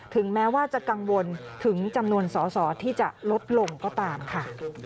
แม้ว่าจะกังวลถึงจำนวนสอสอที่จะลดลงก็ตามค่ะ